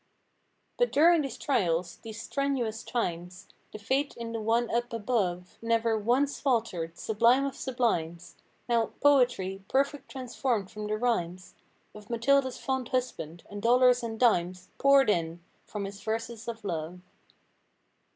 But during these trials—these strenuous times— The faith in the One up above Never once faltered—sublime of sublimes! Now, poetry, perfect transformed from the rhymes Of Matilda's fond husband; and dollars and dimes Poured in, from his verses of love.